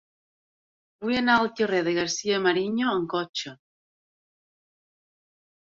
Vull anar al carrer de García-Mariño amb cotxe.